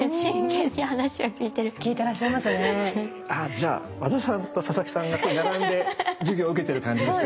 じゃあ和田さんと佐々木さんが並んで授業受けてる感じですね。